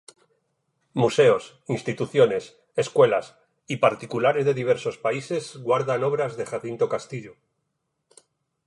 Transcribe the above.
Museos, instituciones, escuelas, y particulares de diversos países guardan obras de Jacinto Castillo.